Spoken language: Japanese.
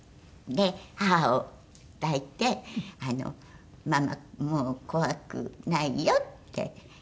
母を抱いて「ママもう怖くないよ」って。